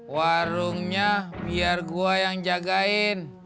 warungnya biar gue yang jagain